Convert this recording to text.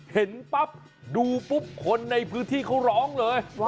เห็นปั๊บดูปุ๊บคนในพื้นที่เขาร้องเลย